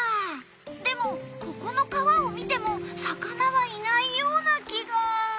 でもここの川を見ても魚はいないような気が。